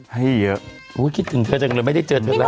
ให้เยอะคิดถึงเธอจังเลยไม่ได้เจอเธอแล้ว